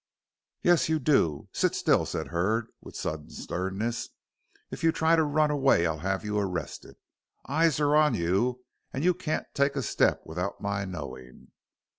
"Yes, you do. Sit still," said Hurd, with sudden sternness. "If you try to run away, I'll have you arrested. Eyes are on you, and you can't take a step without my knowing."